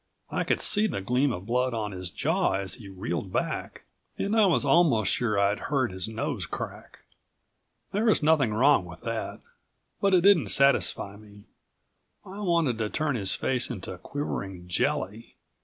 I could see the gleam of blood on his jaw as he reeled back, and I was almost sure I'd heard his nose crack. There was nothing wrong with that, but it didn't satisfy me. I wanted to turn his face into quivering jelly.